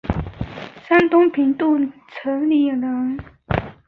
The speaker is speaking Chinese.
山东平度城里人。